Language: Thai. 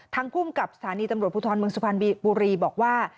ทางกุ้มกับสถานีตำรวจพุทธรเมืองสุพรรณบุรีบอกว่า